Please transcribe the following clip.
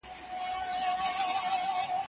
زه پرون قلم استعمالوموم وم،